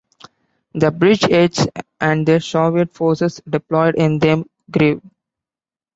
The bridgeheads and the Soviet forces deployed in them grew.